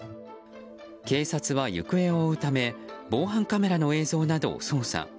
警察は行方を追うため防犯カメラの映像などを捜査。